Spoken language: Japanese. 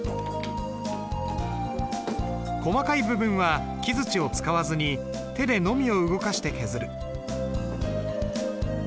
細かい部分は木づちを使わずに手でのみを動かして削る。